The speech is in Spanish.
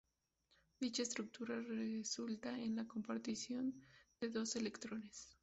Dicha estructura resulta en la compartición de dos electrones.